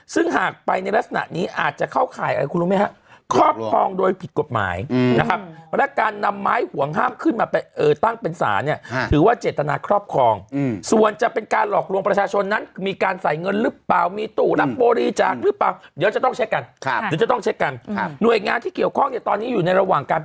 ซึ่งหากไปในลักษณะนี้อาจจะเข้าข่ายอะไรคุณรู้ไหมฮะครอบครองโดยผิดกฎหมายนะครับและการนำไม้ห่วงห้ามขึ้นมาตั้งเป็นสารเนี่ยถือว่าเจตนาครอบครองส่วนจะเป็นการหลอกลวงประชาชนนั้นมีการใส่เงินหรือเปล่ามีตู้รับบริจาคหรือเปล่าเดี๋ยวจะต้องเช็คกันครับหรือจะต้องเช็คกันหน่วยงานที่เกี่ยวข้องเนี่ยตอนนี้อยู่ในระหว่างการ